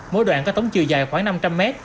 mỗi đoạn có tống chiều dài khoảng năm trăm linh m